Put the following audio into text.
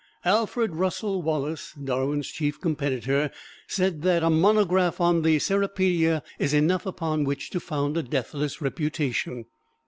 Alfred Russel Wallace, Darwin's chief competitor said that "A Monograph on the Cirripedia" is enough upon which to found a deathless reputation.